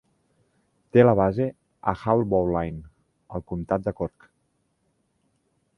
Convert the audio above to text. Té la base a Haulbowline, al comtat de Cork.